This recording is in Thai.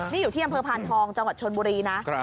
นี่อยู่ที่อำเภอพานทองจังหวัดชนบุรีนะ